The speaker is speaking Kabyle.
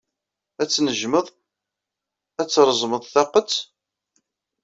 Ad tnejjmed ad treẓmed taqqet?